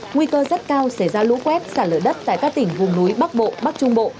nguy cơ rất cao xảy ra lũ quét xả lỡ đất tại các tỉnh vùng núi bắc bộ bắc trung bộ